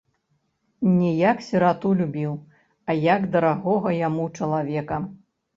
Не як сірату любіў, а як дарагога яму чалавека.